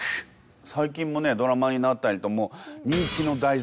最近もねドラマになったりともう人気の題材。